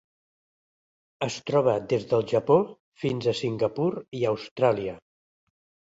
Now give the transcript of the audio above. Es troba des del Japó fins a Singapur i Austràlia.